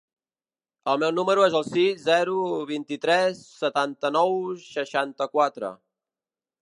El meu número es el sis, zero, vint-i-tres, setanta-nou, seixanta-quatre.